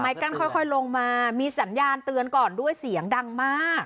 กั้นค่อยลงมามีสัญญาณเตือนก่อนด้วยเสียงดังมาก